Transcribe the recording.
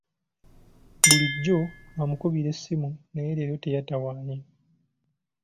Bulijjo amukubira essimu naye leero teyatawaanye.